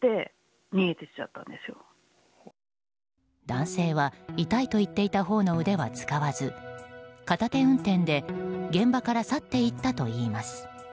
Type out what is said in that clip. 男性は痛いと言っていたほうの腕は使わず片手運転で現場から去っていったといいます。